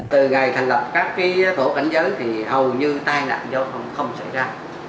từ ngày thành lập các thổ cảnh giới thì hầu như tăng nặng không xảy ra